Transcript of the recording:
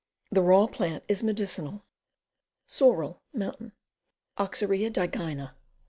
The raw plant is medicinal. Sorrel, Mountain. Oxyria digyna.